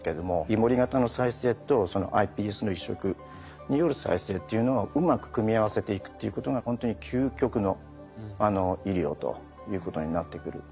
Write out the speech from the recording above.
イモリ型の再生とそのｉＰＳの移植による再生っていうのをうまく組み合わせていくっていうことがほんとに究極の医療ということになってくるんだと思います。